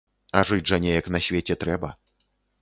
А жыць жа неяк на свеце трэба.